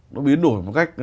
nó biến đổi một cách